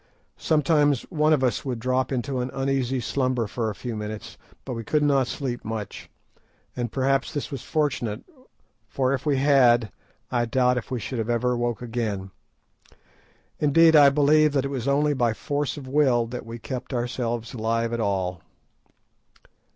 Sometimes one of us would drop into an uneasy slumber for a few minutes, but we could not sleep much, and perhaps this was fortunate, for if we had I doubt if we should have ever woke again. Indeed, I believe that it was only by force of will that we kept ourselves alive at all.